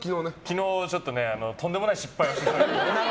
昨日ちょっとねとんでもない失敗をしてしまって。